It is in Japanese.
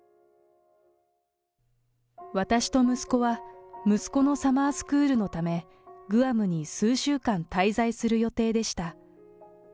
私と息子は、息子のサマースクールのため、グアムに数週間滞在する予定でした。